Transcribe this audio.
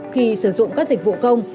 khi sử dụng các dịch vụ công